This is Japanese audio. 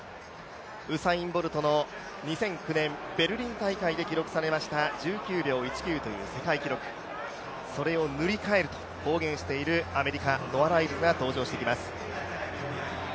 ウサイン・ボルトの２００９年ベルリン大会で記録されました１９秒１９という世界記録、それを塗り替えると公言しているアメリカ、ノア・ライルズが登場してきます。